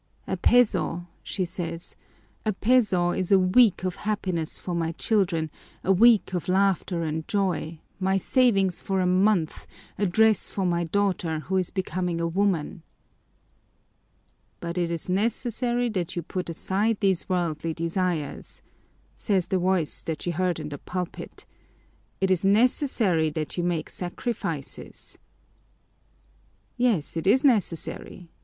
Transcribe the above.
"A peso," she says, "a peso is a week of happiness for my children, a week of laughter and joy, my savings for a month, a dress for my daughter who is becoming a woman." "But it is necessary that you put aside these worldly desires," says the voice that she heard in the pulpit, "it is necessary that you make sacrifices." Yes, it is necessary.